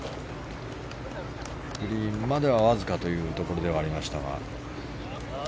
グリーンまではわずかというところではありましたが。